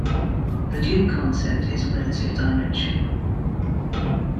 The dual concept is relative dimension.